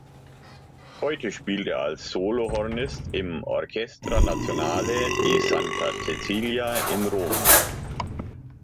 Heute spielt er als Solohornist im Orchestra Nazionale di Santa Cecilia in Rom.